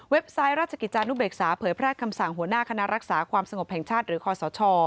ไซต์ราชกิจจานุเบกษาเผยแพร่คำสั่งหัวหน้าคณะรักษาความสงบแห่งชาติหรือคอสช